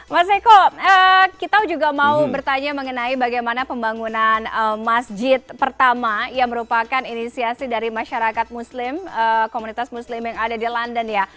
mas eko kita juga mau bertanya mengenai bagaimana pembangunan masjid pertama yang merupakan inisiasi dari masyarakat muslim komunitas muslim yang ada di london ya